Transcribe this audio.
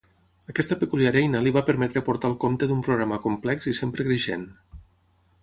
Aquesta peculiar eina li va permetre portar el compte d'un programa complex i sempre creixent.